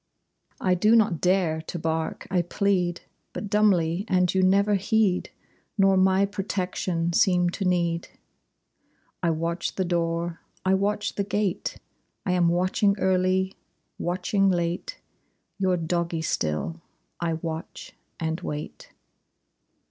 I do not dare to bark; I plead But dumbly, and you never heed; Nor my protection seem to need. I watch the door, I watch the gate; I am watching early, watching late, Your doggie still! I watch and wait.